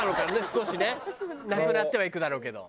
少しねなくなってはいくだろうけど。